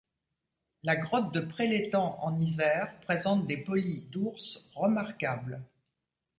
La grotte de Prélétang, en Isère, présente des polis d'ours remarquables.